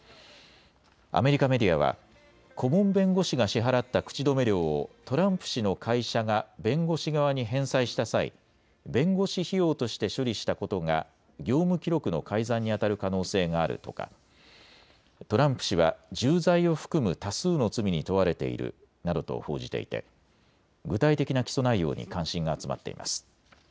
アメリカメディアは顧問弁護士が支払った口止め料をトランプ氏の会社が弁護士側に返済した際、弁護士費用として処理したことが業務記録の改ざんにあたる可能性があるとかトランプ氏は重罪を含む多数の罪に問われているなどと報じていて具体的な起訴内容に関心が集まっています。